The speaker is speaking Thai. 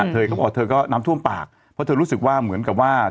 เธอก็บอกเธอก็น้ำท่วมปากเพราะเธอรู้สึกว่าเหมือนกับว่า